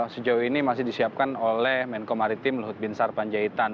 sejauh ini masih disiapkan oleh menko maritim luhut bin sarpanjaitan